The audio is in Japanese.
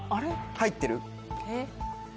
入ってる？